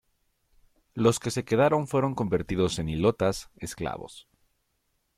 Los que se quedaron fueron convertidos en hilotas, esclavos.